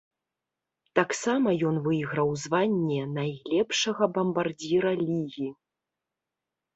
Таксама ён выйграў званне найлепшага бамбардзіра лігі.